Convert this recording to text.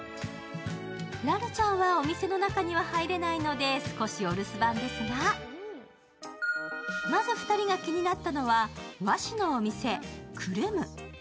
ラルちゃんはお店の中には入れないので、少しお留守番ですがまず２人が気になったのは、和紙のお店、くるむ。